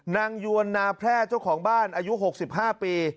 ยวนนาแพร่เจ้าของบ้านอายุ๖๕ปี